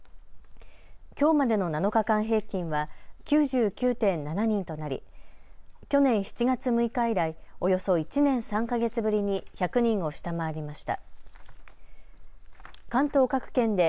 きょうまでの７日間平均は９９．７人となり去年７月６日以来、およそ１年３か月ぶりに１００人を下回りました。